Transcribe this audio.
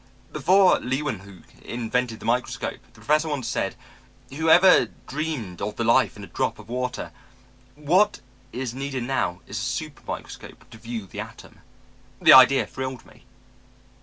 "'Before Leeuwenhoek invented the microscope,' the Professor once said, 'who ever dreamed of the life in a drop of water? What is needed now is a super microscope to view the atom.' "The idea thrilled me.